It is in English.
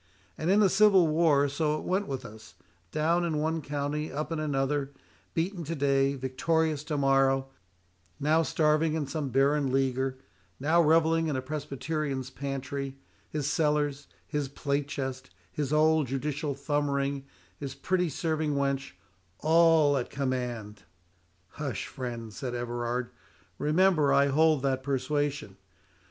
And in the Civil War so it went with us—down in one county, up in another, beaten to day, victorious tomorrow—now starving in some barren leaguer—now revelling in a Presbyterian's pantry—his cellars, his plate chest, his old judicial thumb ring, his pretty serving wench, all at command!" "Hush, friend," said Everard; "remember I hold that persuasion."